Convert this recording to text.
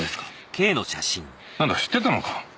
なんだ知ってたのか。